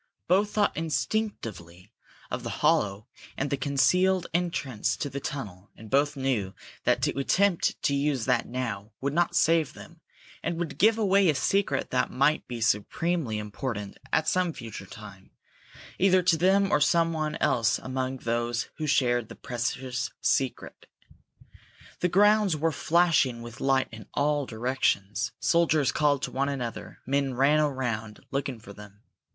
Both thought instinctively of the hollow and the concealed entrance to the tunnel, and both knew that to attempt to use that now would not save them, and would give away a secret that might be supremely important at some future time, either to them or to someone else among those who shared the precious secret. The grounds were flashing with light in all directions; soldiers called to one another; men ran all around, looking for them.